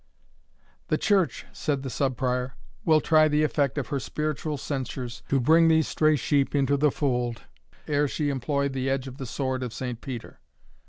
"The Church," said the Sub Prior, "will try the effect of her spiritual censures to bring these stray sheep into the fold, ere she employ the edge of the sword of Saint Peter."